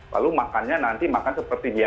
lalu makannya nanti makan seperti biasa